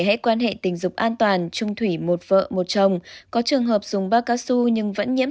hãy quan hệ tình dục an toàn trung thủy một vợ một chồng có trường hợp dùng bakasu nhưng vẫn nhiễm